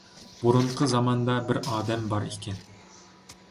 بۇرۇنقى زاماندا بىر ئادەم بار ئىكەن.